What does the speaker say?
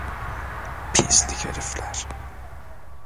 Pislik herifler!